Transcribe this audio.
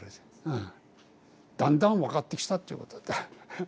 うん。だんだん分かってきたっていうことだ。